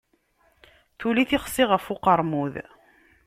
Tuli tixsi ɣef uqermud.